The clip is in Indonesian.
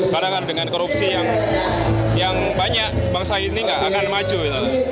padahal dengan korupsi yang banyak bangsa ini gak akan maju gitu loh